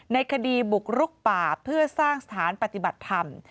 ในคดีบุกรุกป่าเพื่อสร้างสถานปฏิบัติธรรม